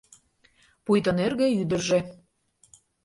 Пуйто нӧргӧ ӱдыржӧ